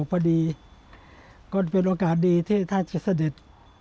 มาดีกว่าเป็นโอกาสดีที่ท่านจริงส์สดดิต